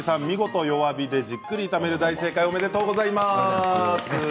見事、弱火でじっくり炒める大正解おめでとうございます。